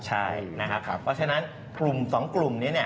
ใช่นะครับเพราะฉะนั้นกลุ่ม๒กลุ่มนี้